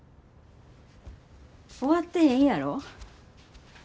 終わってへんやろ。